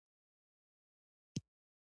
بوتل د شفافې ښیښې له امله داخل ښکاره کوي.